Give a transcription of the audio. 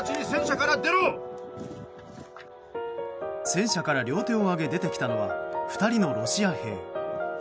戦車から両手を上げ出てきたのは、２人のロシア兵。